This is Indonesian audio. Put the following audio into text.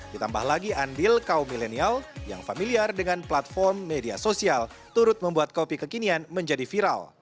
ditambah lagi andil kaum milenial yang familiar dengan platform media sosial turut membuat kopi kekinian menjadi viral